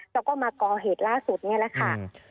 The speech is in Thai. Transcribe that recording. แล้วก็มาก่อเหตุล่าสุดนี่แหละค่ะ